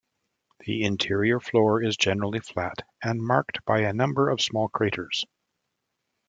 The interior floor is generally flat, and marked by a number of small craters.